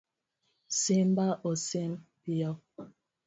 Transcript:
Simba osim piyo